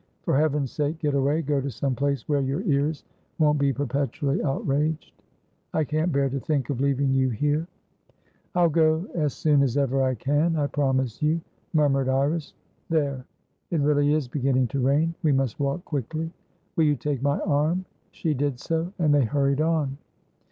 For heaven's sake, get away! Go to some place where your ears won't be perpetually outraged. I can't bear to think of leaving you here." "I'll go as soon as ever I canI promise you," murmured Iris. "There! It really is beginning to rain. We must walk quickly." "Will you take my arm?" She did so, and they hurried on.